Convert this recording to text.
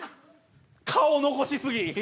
顔残し過ぎ。